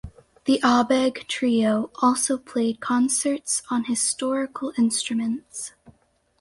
The Abegg Trio also played concerts on historical instruments.